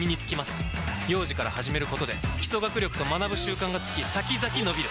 幼児から始めることで基礎学力と学ぶ習慣がつき先々のびる！